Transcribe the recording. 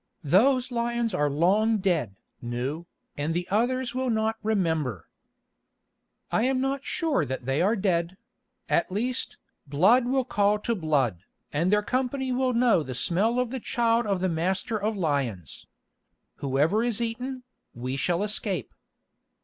"Those lions are long dead, Nou, and the others will not remember." "I am not sure that they are dead; at least, blood will call to blood, and their company will know the smell of the child of the Master of Lions. Whoever is eaten, we shall escape."